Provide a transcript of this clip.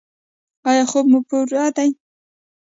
ایا خوب مو پوره دی؟